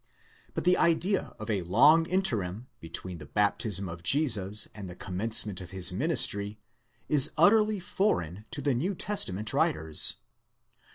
But the idea of a long interim, between the baptism of Jesus and the commencement of his ministry, is utterly foreign to the New 'Testament writers.